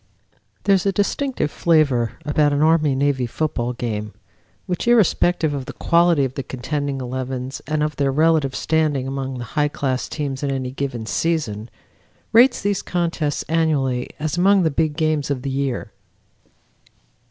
There is a distinctive flavor about an Army Navy football game which, irrespective of the quality of the contending elevens and of their relative standing among the high class teams in any given season, rates these contests annually as among the "big games" of the year.